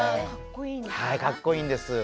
かっこいいんです。